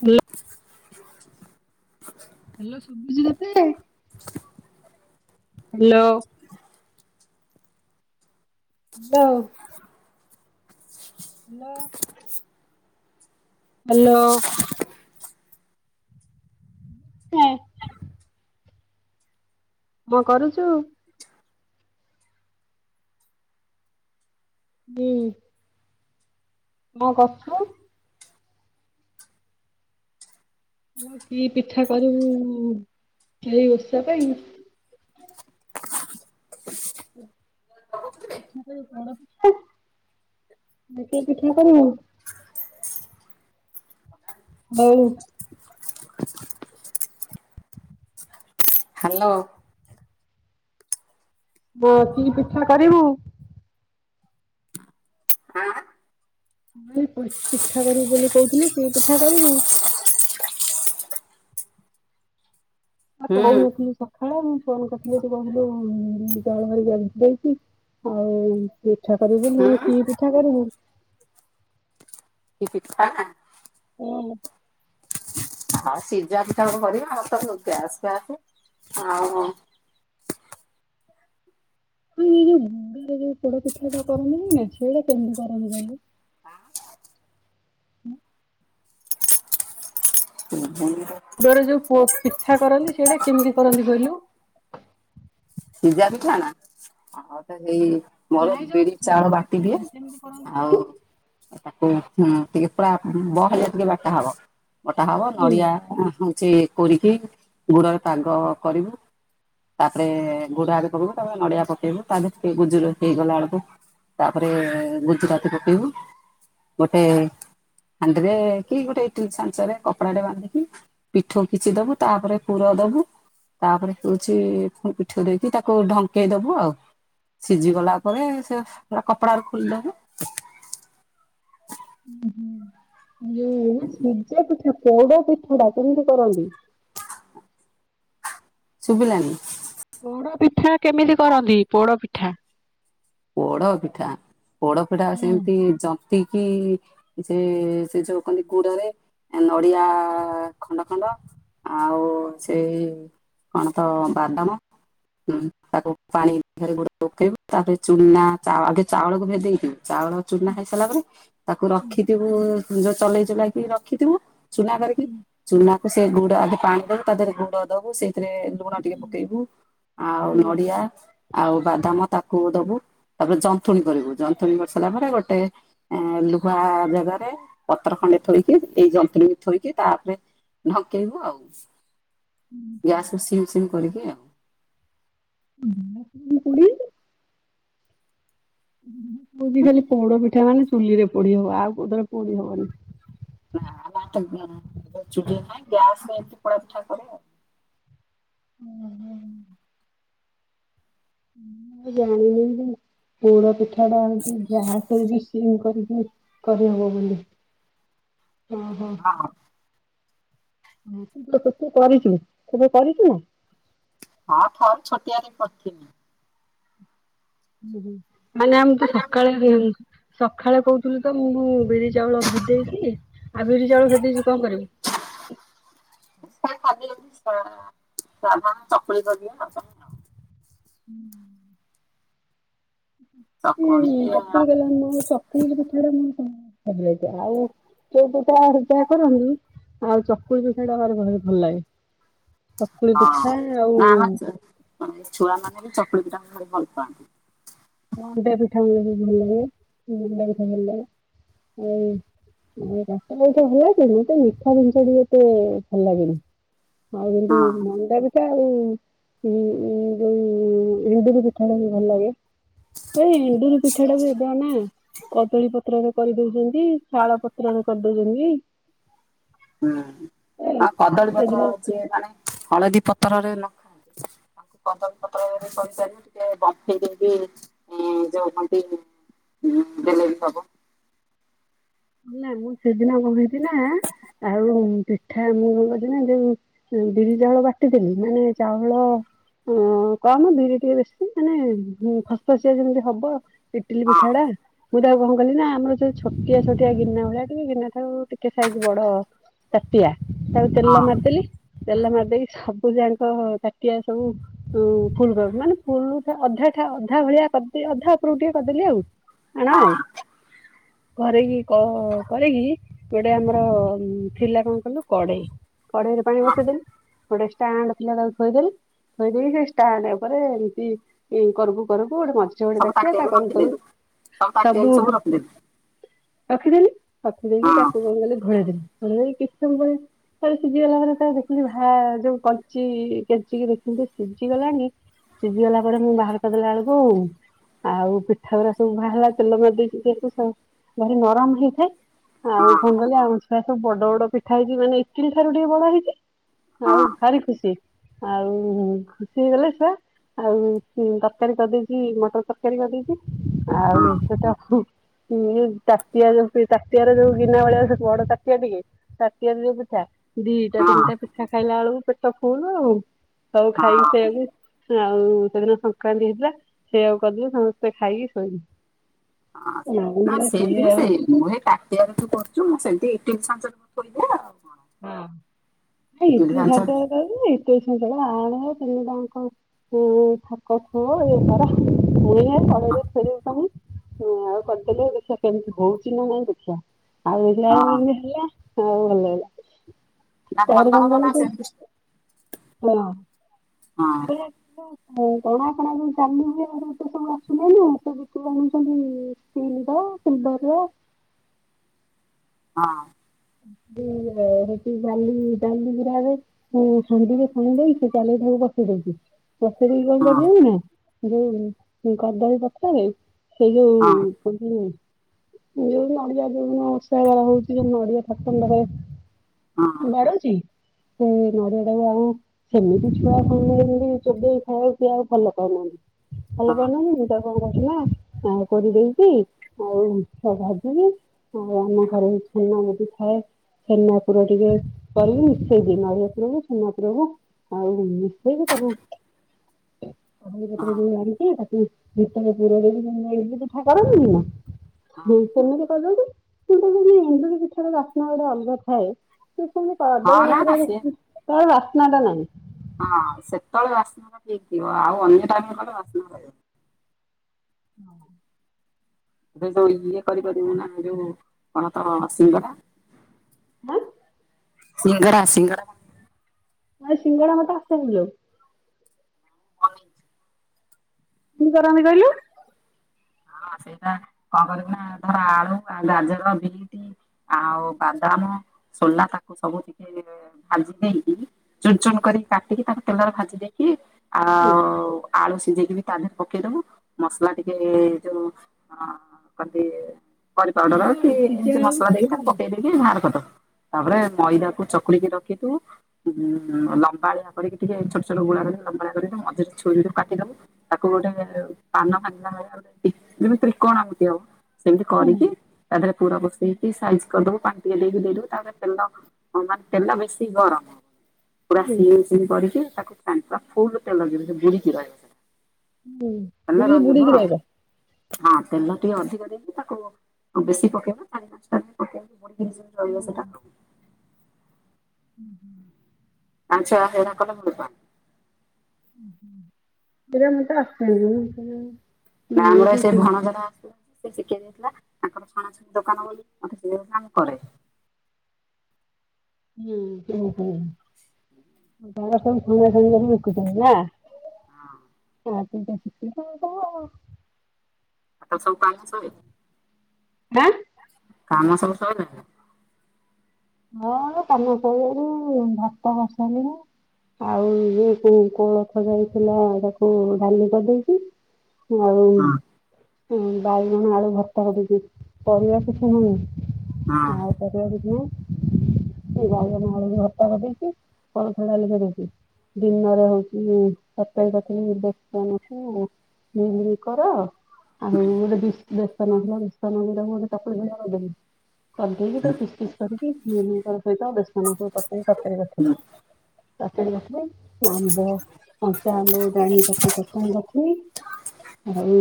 Hello. Hello ଶୁଭୁଛି ତତେ? Hello. Hello. Hello. Hello. [unintelligible] କଣ କରୁଚୁ? ହୁଁ। କଣ କର୍‌ଚୁ? ମୁଁ କି ପିଠା କରିବୁ ଏଇ ଓଷା ପାଇଁ? ମୁଁ କହିଲି ପୋଡ ପି ନିଜେ ପିଠା କରିବୁ। ବଉ। ହାଲୋ। ବୋ କି ପିଠା କରିବୁ? ଆଁ ପିଠା କରିବୁ ବୋଲି କହୁଥିଲୁ କି ପିଠା କରିବୁ? ଆ ହୁଁ କହୁନଥିଲୁ ସ ହଁ ବା ମୁଁ ଫୋନ କରିଥିଲି ତୁ କହୁଥିଲୁ ବିରି ଚାଉଳ ଘେରିକା କିଛି ଦେଇଛି ଆଉ ପିଠା କରିବୁ ହୁଁ ମୁଁ କି ପିଠା କରିବୁ? କି ପିଠା? ହଁ ହେଲା। ହ ସିଝା ପିଠା ଗୋଟେ କରିବା ହ ତ ଗ୍ୟାସ୍ ଫ୍ୟାସ୍ ଆଉ। ହଁ ଏଇ ଯୋଉ ଗୁଡରେ ଯୋଉ ପୋଡ ପିଠା ଟା କରନ୍ତି ନା ସେଇଟା କେମିତି କରନ୍ତି କହିଲୁ। [inaudible] ଗୁଡରେ ଯୋଉ ପୋ ପିଠା କରନ୍ତି ସେଇଟା କେମିତି କରନ୍ତି କହିଲୁ। ସିଝା ପିଠା ନା ଆଉ ତ ହେଇ ମୋର ନାଇଁ ଯୋଉ ବିରି ପୋଡ ଚାଉଳ ବାଟି ପିଠା ଦିଏ ଟା କେମିତି କରନ୍ତି ଆଉ କହିଲୁ? ତାକୁ ଟିକେ ପୁରା ବହଳିଆ ଟିକେ ବାଟା ହବ ବଟା ହବ ହୁଁ, ନଡିଆ ସେ କୋରିକି ଗୁଡରେ ପାଗ କରିବୁ ତାପରେ ଗୁଡ ଆଗେ ପକେଇବୁ ତାପରେ ନଡିଆ ପକେଇବୁ ତା ଦେରେ ଟିକେ ଗୁଜୁରାତି ହେଇଗଲା ବେଳକୁ ତାପରେ ଗୁଜୁରାତି ପଟେଇବୁ ଗୋଟେ ହାଣ୍ଡିରେ କି ଗୋଟେ ଇଟିଲ ଛାଞ୍ଚରେ କପଡାଟେ ବାନ୍ଧିକି ପିଠୋଉ କିଛି ଦବୁ ତାପରେ ପୁର ଦବୁ ତାପରେ ହଉଚି ପୁଣି ପି ଉ ଦେଇକି ତାକୁ ଢଙ୍କେଇ ଦବୁ ଆଉ ସିଝିଗଲା ପରେ ସେ ପୁରା କପଡାରେ ଖୋଲିଦବୁ। ହୁଁ ହୁଁ ଏ ଯୋଉ ସିଜା ପିଠା ପୋଡ ପିଠା ଟା କେମିତି କରନ୍ତି। ଶୁଭିଲାନି। ପୋଡ ପିଠା କେମିତି କରନ୍ତି ପୋଡ ପିଠା? ପୋଡ ପିଠା ପୋଡ ପିଠା ସେମିତି ହୁଁ ଜ ତିକି ଯେ ସେ ଯୋଉ କନ୍ତି ଗୁଡରେ ନଡିଆ ଖଣ୍ଡଖଣ୍ଡ ଆଉ ସେ କଣ ତ ବାଦାମ ତାକୁ ପାଣିଥେରେ ଗୋଟେ ପକେଇବୁ ତାପରେ ଚୁନା ଚା ଆଗେ ଚାଉଳକୁ ଭେଦେଇକି ଚାଉଳ ଚୁନା ହେଇ ସାରିଲା ପରେ ତାକୁ ରଖିଥିବୁ ଯୋଉ ଚଲେଇ ଚଲେଇକି ରଖିଥିବୁ ଚୁନା କରିକି ଚୁନା କୁ ସେ ଗୁଡ ଆଗେ ପାଣି ଦବୁ ତା ଦେହରେ ଗୁଡ ଦବୁ ସେ ସେଥିରେ ଲୁଣ ଟିକେ ପକେଇବୁ ଆଉ ହୁଁ ନଡିଆ ଆଉ ବାଦାମ ତାକୁ ଦବୁ। ତାପରେ ଜନ୍ତୁଣି କରିବୁ ଜନ୍ତୁଣୀ କରିସାରିଲା ପରେ ଗୋଟେ ଲୁହା ଜାଗାରେ ପତ୍ର ଖଣ୍ଡେ ଥୋଇକି ଏଇ ଜନ୍ତୁଣିି କି ଥୋଇକି ତାପରେ ଢ଼ଙ୍କେଇବୁ ଆଉ। ଗ୍ୟାସ ସିମ୍ ସିମ୍ କରିକି ଆଉ। [unintelligible] ମୁଁ ବି ହୁଁ। ଜାଣିନି ପୋଡ ପିଠା ମାନେ ଚୁଲିରେ ପୋଡି ହବ ଆଉ କୋଉଥିରେ ପୋଡି ହବନି। ନା ନା ଚୁଲି ନାହିଁ ଗ୍ୟାସରେ ଏମିତି ପୋଡ ପିଠା କରେ ଆଉ। ହୁଁ ହୁଁ। ଜାଣିନି ପୋଡ ପିଠା ପିଠା ଟା ହଉଛି ଗ୍ୟାସ ବି ସିମ୍ କରିକି କରିହବ ବୋଲି ଅଁ ହଁ। ହଁ। ହଁ ତୁତ ସେଠି କରିଚୁ ସବୁ କରିଛୁ? ହଁ ଥର ଛୋଟିଆଟେ କରିିଥିଲି। ହୁଁ ହୁଁ ମାନେ ଆମେ ତ ସକାଳେ ସଖାଳେ କହୁଥିଲି ତ ମୁଁ ବିରି ଚାଉଳ ଭେଦେଇଛି ଆଉ ବିରି ଚାଉଳ ଭେଦେଇଚୁ କଣ କରିବୁ? [unintelligible] ଚାହା ଚକୁଳି କରିଦିଏ ଆଉ। ହୁଁ। ଚକୁଳି ହୁଁ ଚକୁଳି କଲେ ଭଲଗିବ‌ ଚ [unintelligible] ଆଉ ଯୋଉ ପିଠା ଫିଠା କରନ୍ତି ଆଉ ଚକୁଳି ପିଠା ଟା ଭାରି ଭଲ ଲାଗେ। ଚକୁଳି ଆ, ପିଠା ଆଉ ନା ଆମ ହଁ ଛୁଆ ମାନେ ବି ଚକୁଳି ପିଠା ଭାରି ଭଲ ପାଆନ୍ତି। ମଣ୍ଡା ପିଠା ବି ଭାରି ଭଲ ଲାଗେ ମଣ୍ଡା ପିଠା ଭଲ ଲାଗେ ଆଉ ରାଷି ଲଡୁଟା ଭଲ ଲାଗେ ମତେ ମିଠା ଜିନିଷ ଟିକେ ଏତେ ଭଲ ଲାଗେନି। ଆଉ ଏମିତି ହଁ ମଣ୍ଡା ପିଠ ଆଉ ଉଁ ଉଁ ଯୋଉ ଏଣ୍ଡୁରି ପିଠା ଟା ବି ଭଲ ଲାଗେ। ନାଇଁ ଏଣ୍ଡୁରି ପିଠା ଟା ବି ଓଦା ନା କଦଳୀ ପତ୍ରରେ କରିଦଉଛନ୍ତି। କି ଶାଳ ପତ୍ରରେ କରି ଦଉଛନ୍ତି। ହୁଁ ହଁ କଦଳୀ ପତ୍ର ସେଦିନ ଆଛି ମାନେ ହଳଦୀ ପତ୍ରରେ ନଖିଆନ୍ତି ତାକୁ କଦଳୀ ପତ୍ରରେ କରିପାରିବ ଟିକେ ବମ୍ପେଇ ଦେଇକି ଇ ଯୋଉ କନ୍ତି ହୁଁ ଦେଲେ ବି ହବ। ନା ମୁଁ ସେଦିନ କଣକରିଛି ନା ଆଉ ପିଠା ମୁଁ କରିଛି ନା ଯୋଉ ବିରି ଚାଉଳ ବାଟିଦେଲି ମାନେ ଚାଉଳ ହଁ କମ ବିରି ଟିକେ ବେଶୀ ମାନେ ଖସ ଖସଆ ଯେମିତି ହବ ଇଟିଲି ହଁ ପିଠା ଟା ମୁଁ ତା ତାକୁ କଣ କଲି ନା ଆମର ଯଉ ଛୋଟିଆ ସ ଗିନା ଭଳିଆ କି ଠଉ ଟିକେ ଗିନା କୁ ଟିକେ ସାଇଜ଼ ବଡ ତାଟିଆ ତାକୁ ହଁ ତେଲ ମାରିଦେଲି ତେଲ ମାରିଦେଇକି ସବୁ ଯାଙ୍କ ତାଟିଆ ସବୁ ହୁଁ ଫୁଲ୍ କର ମାନେ ଫୁଲ ଅଧା ଠା ଅଧା ଭଳିଆ କରିଦେ ଅଧା ଉପରକୁ ଟିକେ କରିଦେଲି ଆଉ ଆଣ ହଁ। ଆଉ କରି କି? କ କରିକି ଗୋଟେ ଆମର ଥିଲା କଣ କହିଲୁ କଡେଇ କଡ଼େଇରେ ପାଣି ବସେଇଦେଲି ଗୋଟେ ଷ୍ଟାଣ୍ଡ ଥିଲା ତାକୁ ଥୋଇଦେଲି ଥୋଇ ଦେଇକି ସେ ଷ୍ଟାଣ୍ଡ ଉପରେ ଏମିତି କରୁକୁ କରୁକୁ ଗୋଟେ ମଝି ଯୋଡେ ସବୁ ତାଟିଆ ତା ତାଟିଆକୁ କରୁକୁ ରଖିଦେଲୁ କରୁକୁ ସବୁ [unintelligible] ରଖିଦେଲି ରଖିଦେଇକି ହଁ ତାକୁ କଣ କଲି ଘୋଡ଼େଇ ଦେଲି ଘୋଡେଇ ଦେଇକି କିଛି ସମୟ ଯାଇଛି ଥରେ ସିଝିଗଲା ପରେ ତା ଦେଖିଲି ଭା ଯୋଉ କଞ୍ଚି କେଞ୍ଚିକି ଦେଖିଲି ଯେ ସିଝିଗଲାଣି ସିଝି ଗଲା ପରେ ମୁଁ ବାହାର କରିଦେଲା ବେଳକୁ ଆଉ ପିଠା ଉରା ସବୁ ବାହାରିଲା ତେଲ କରି ଦେଇେଚି ଯେହେତୁ ସ ଭାରି ନରମ ହେଇଥାଏ। ଆଉ କଣ କହିଲ ଆମ ଛୁଆ ସବୁ ବଡ ବଡ ପିଠା ହେଇଛି ମାନେ ଇଟିଲି ଠାରୁ ଟିକେ ବଡ ହେଇଛି ହଁ ଆଉ ଭାରି ଖୁସି ଆଉ ଖୁସି ହେଇଗଲେ ଛୁଆ ଆଉ ତରକାରୀ କରିଦେଇଚି ମଟର ତରକାରୀ କରିଦେଇଚି ହଁ ଆଉ ସେଟା ସୁ [unintelligible] ତାଟିଆ ଯୋଉ ତାଟିଆର ଯୋଉ ଗିନା ଭଳିଆ ବଡ ତାଟିଆ ଟିକେ ତାଟିଆ ରେ ଯୋଉ ପିଠା ଦିଟା ହଁ ତିନିଟା ପିଠା ଖାଇଲା ବେଳକୁ ପେଟ ଫୁଲୁ ଆଉ ସବୁ ଖାଇକି ହଁ ସେଇଆକୁ ଆଉ ସେଦିନ ସଂକ୍ରାନ୍ତି ହେଇଥିଲା ସେଇଆକୁ କରିଦେଲି ସମସ୍ତେ ଖାଇକି ଶୋଇଲୁ। ହଁ ହଁ ସେଇ ଥିବିି ଆଉ ସେ ମୁଁ ଏ ତାଟିଆରେ ତୁ କରୁଚୁ ମୁଁ ସେମିତି ଇଟିଲି ଛାଞ୍ଚରେ ମୁଁ ଥୋଇ ଦିଏ ଆଉ। କଣ। ହଁ ନାଇଁ ଇଟିଲି ଛାଞ୍ଚ କଣ କି [unintelligible] ହୁଁ ଥାକ ଥୁଅ ଇଏ କର ମୁଁ କଡ଼େଇ ରେ [unintelligible] ପାଇଁ ଆଉ କରିଦେଲି ଦେଖିଆ କେମିତି ହଉଚି ନା ନାଇଁ ଦେଖିଆ। ଆଉ ନରମ ହଁ ଯେମିତି ହେଲା ଆଉ ଭଲ ଲାଗିଲା। ନାଁ ତାପରେ ଭଲ କଣ ହବ କହିଲୁ ନା ଯୋଉ ସେମତି ସି ହଁ ହଁ [unintelligible] ହଉ କଣ ଆପଣ ଯୋଉ ଜାମୁ ହୁତେ ସବୁ ଆସୁନାହି ନାତ ବିତ ଜଣୁଛନ୍ତି। [unintelligible] ହଁ। ହେଠି ଡାଲି ଡାଲି ଗିରାବେ। ହଁ ସଡିରେ ଶଣି ଦେଇଛି ଚାଲି ତାକୁ ପକେଇଦଉଛି। ବଷେଇ କଣ ହଁ ହଁ କରିଦଉ ନା ଯୋଉ କଦଳୀ ପତ୍ର ରେ ସେଇ ହଁ ଯୋଉ। ଯୋଉ ନଡିଆ ଯୋଉ ବର୍ଷା ବେଳ ହଉଛି ଯ ନଡିଆ। [unintelligible] ହଁ। ଛାଡୁଛି ହୁ ନଡ଼ିଆ ଟାକୁ ଆଉ। ସେମିତି ଛୁଆ କଣ ଏମିତି ଚୋବେଇ ଖାଇବାକୁ କି ଆଉ ଭଲ ପାଉନାହାନ୍ତି ଭଲ ପାଉନାହାନ୍ତି ମୂତା। କଣ କଲିନା କୋରିଦେଇଛିି ଆଉ ଭାଜିବି। ଆଉ ଆମ ଘରେ ଛେନା। ଏ ଛେନାପୁର ଟିକେ କରୀକି ସେଇ ନଡିଆପୁର କୁ ଛେନାପୁରକୁ। ଆଉ ମିଶେଇକି ତାକୁ। ଆ ପରେ ଯଉ ବା ତାକୁି ଭିତରେ ପୁର ଦେଇକି ପିଠାକରନ୍ତିନି ନା! ହଁ। ହୁଁ ସେମିତି କରୁଛନ୍ତି କିନ୍ତୁ ଯଦି ଏଣ୍ଡୁରି ପିଠା ର ବାସ୍ନା ଗୋଟେ ଅଲଗା ଥାଏ। ସେ ସେତି ହଁ ନା ନା ସିଏ କଦଳୀପତ୍ର ବାସ୍ନା ଟା ନାହିଁ। ହଁ ସେତେବେଳେ ବାସ୍ନ ର ଠିକ ଥିବ ଆଉ ଅନ୍ୟ ଟାଇମ୍ ତଳେ ବାସ୍ନା ରହିବ। ହଁ। ତମେ ଯୋଉ ଇଏ କରିପାରିବୁ ନା ଯୋଉ କଣ ତ ସିଙ୍ଗଡ଼ା। ଆଁ ସିଙ୍ଗଡା ସିଙ୍ଗଡା। ନାଇ ସିଙ୍ଗଡ଼ା ମତେ ଆସେନି ଲୋ। [unintelligible] କେମିତି କରନ୍ତି କହିଲୁ। ହଁ ସେଇଟା କଣ କରିବୁ ନା ଧର ଆଳୁ ଗାଜର ବିଟି। ଆଉ ବାଦାମ ସୋଲା ତାକୁ ସବୁ ଟିକେ। ଭାଜି ଦେଇକି ଚୁନ ଚୁନ କରିକି କାଟିକି ତାକୁ ତେଲରେ ଭାଜି ଦେଇକି। ଆଉ ଆଳୁ ସିଝେଇକି ବି ତା ଦେହରେ ପକେଇଦବୁ ମସଲା ଟିକେ। ଯୋଉ କ କରୀପାଉଡର ସିଝା କି ଆଳୁ ସିଝା ଏମତି ଆଳୁକୁ ମସଲା ଦେଇକି ତା ଚକଟିକି ପକେଇ। ତିକି ବାହାର କରିଦୋବୁ ତାପରେ ମଇଦାକୁ ଚକୁଳିକି ରଖିୁ ଉ ଲମ୍ବାଳିଆ। କରିକ ଟିକେ ଛୋଟ୍ ଛୋଟ୍ ଗୁଲା କରିବ ମଝରେ ଛୁରିରେ କାଟିଦବ। ତାକୁ ଗୋଟେ ପାନ ଫାଙ୍ଗିଲା। ଯେମିତି ତ୍ରିକୋଣ ଏମିତି ଆଉ ସେମିତି କରିକି ତା ଦେହରେ ପୁର ପସେଇ। ଟ ସାଇଜ୍ କରିଦବୁ ପାଣି ଟିକେ ଦେଇକି ଦେଇଦବୁ ତାପରେ ତେଲ ମାନେ ତେଲ ବେଶୀ ଗରମ। ପୁରା ସିଙ୍ଗ ସିଙ୍ଗ କରିକି ତାକୁ ପୁରା ଫୁଲେ ଲଗେଇ ବୁଡିକି ରହିବ। ହୁଁ ତେଲ ଯେମିତି ବୁଡିକି ଆଉ ରହିବ। ହଁ ତେଲ ଟିକେ ଅଧିକ ଦେଇକି ତାକୁ ବେଶୀ ପକେଇବା ଚାରି ପାଞ୍ଚଟା ପକେଇବି ବ। ଜେନ୍ତି ରହିବ ସେଟା ଆଉ। [inaudible] ଆଚ୍ଛା ସେଇଟା କଲେ ହଲା। ଏରେ ମୁଁ ତ ଆସିସାଇଲାନି। ନା ଆମର ସେ ଭଣଜାଟା ଆସ। ସେ ଶିଖେଇ ଦେଇଥିଲା ତାଙ୍କର ଛଣାଛଣି ଦୋକାନ ବୋଲି ସେ କାମ କରେ। ହୁଁ ହୁଁ ସମନ୍ଦରା ନା। [unintelligible] ଆ ସବ କାନସ। ଆଁ। କାମ ସବୁ ସାଇଲାଣୀ। ହଁ କାନ ଶିବାରୁ ଭାତ କରିସାଇଲିଣି। ଆଉ ଇଏ କୋ କୋଳଥ ଯାଇ ଥିଲା, ତାକୁ ଡାଲି କରିଦେଇଛି। ଆଉ ହଁ ବାଇଗଣ ଆଳୁ ଭର୍ତ୍ତା କରି ଦେଇଚି, ପରିବା କିଛି ହଁ ନାହିଁ। ଆଉ ପରିବା କିଛି ନାହିଁ ଖାଲି ବାଇଗଣ ଆଳୁ କୁ ଭର୍ତ୍ତା କରିଦେଇଛି, କୋଳଥ ଡାଲି କରିଦେଇଛି। ଦିନରେ ହଉଛି ତରକାରୀ କରିଥିଲି, ବେସନକୁ ମିଲ୍ ମିକର। ଆଉ ଗୋଟେ [unintelligible] ବେସନ ଥିଲା ବେସନକୁ ଗୋଟେ ଚକୁଲି ଭଲିଆ କରିଦେବି। କରିଦେଇକି ତାକୁ ପିସ୍ ପିସ୍ କରିକି ମିଲ୍ ମିକର୍ ସହିତ, ବେସନ ପକେଇକି ତରକାରି କରିଥିଲି। [unintelligible] ଆମ୍ବ କଞ୍ଚା ଆମ୍ବ ଗୋଟେ ଆଣି ଚଟୁଆଣି କରିଥିଲି, ଆଉ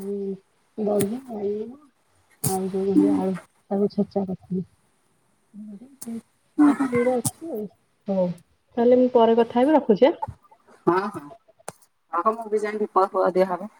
ଆଉ ଦହି ବାଇଗଣ ଆଉ ଯୋଉ ଆଳୁ [unintelligible] [unintelligible] ହଁ ତାହେଲେ ଆମେ ପରେ କଥା ହବା, ରଖୁଛି ଆଁ। ହଁ -ହଁ ଆଉ ମୁଁ ବି ଜାଣିଲି କୋଉ ଫଳ ଦିଆ ହବ।